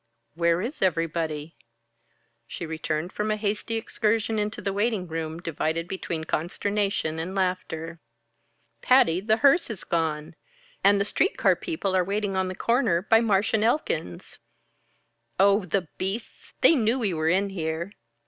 "Where is everybody?" She returned from a hasty excursion into the waiting room, divided between consternation and laughter. "Patty! The hearse has gone! And the street car people are waiting on the corner by Marsh and Elkins's." "Oh, the beasts! They knew we were in here."